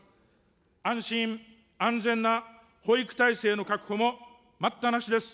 安心・安全な保育体制の確保も待ったなしです。